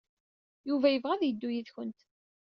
Yuba yebɣa ad yeddu yid-went.